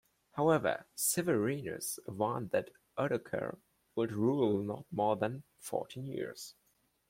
However, Severinus warned that Odoacer would rule not more than fourteen years.